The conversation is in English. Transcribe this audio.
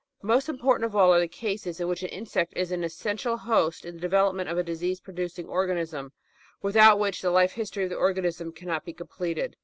Most important of all are the cases in which an insect is an essential host in the development of a disease producing organism, without which the life history of the organism cannot be completed.